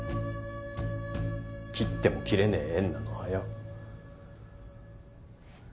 切っても切れねえ縁なのはよ。